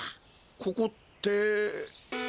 ここって。